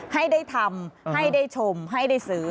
ให้ได้ทำให้ได้ชมให้ได้ซื้อ